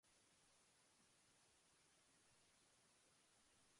Christmas brings out the best in people and creates lasting memories.